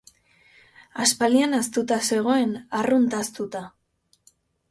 Aspaldian ahaztuta zegoen, arrunt ahaztuta.